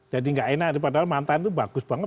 jadi gak enak padahal mantan itu bagus banget